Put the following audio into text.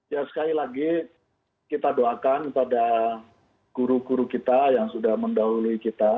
ya sekali lagi kita doakan kepada guru guru kita yang sudah mendahului kita